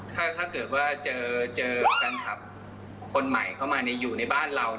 ถ้าเกิดว่าเจอแฟนคลับคนใหม่เข้ามาอยู่ในบ้านเรา